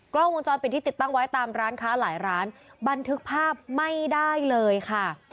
กล้องวงจรปิดที่ติดตั้งไว้ตามร้านค้าหลายร้านบันทึกภาพไม่ได้เลยค่ะ